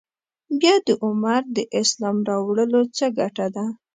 بیا د عمر د اسلام راوړلو څه ګټه ده.